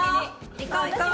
行こう行こう。